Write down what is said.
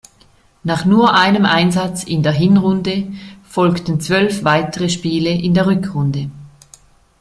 Nach nur einem Einsatz in der Hinrunde folgten zwölf weitere Spiele in der Rückrunde.